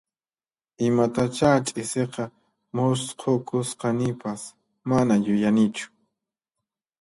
Imatachá ch'isiqa musqhukusqanipas, mana yuyanichu